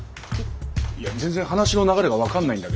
いや全然話の流れが分かんないんだけど。